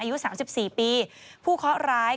อายุ๓๔ปีผู้เคาะร้าย